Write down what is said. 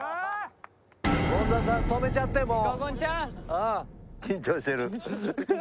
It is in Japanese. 権田さん止めちゃってもう。